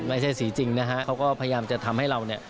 ไม่ใช่สีจริงนะครับเขาก็พยายามจะทำให้เรา